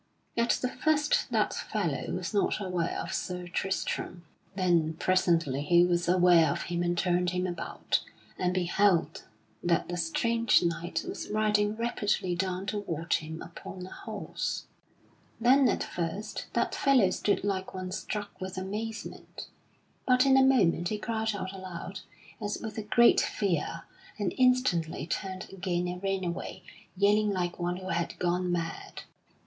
At the first that fellow was not aware of Sir Tristram; then presently he was aware of him and turned him about, and beheld that a strange knight was riding rapidly down toward him upon a horse. Then at first that fellow stood like one struck with amazement; but in a moment he cried out aloud as with a great fear, and instantly turned again and ran away, yelling like one who had gone mad.